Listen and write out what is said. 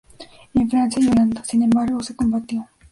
En Francia y Holanda, sin embargo, se combatió.